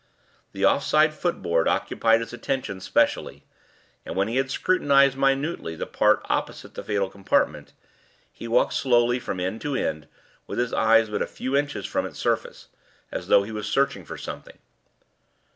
The off side footboard occupied his attention specially, and when he had scrutinized minutely the part opposite the fatal compartment, he walked slowly from end to end with his eyes but a few inches from its surface, as though he was searching for something.